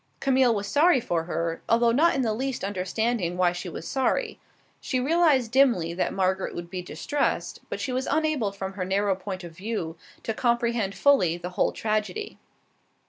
Camille was sorry for her, although not in the least understanding why she was sorry. She realized dimly that Margaret would be distressed, but she was unable from her narrow point of view to comprehend fully the whole tragedy.